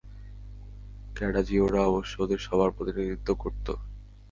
ক্যাডাজিওরা অবশ্য ওদের সবার প্রতিনিধিত্ব করত।